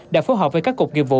đã phối hợp với các cuộc nghiệp vụ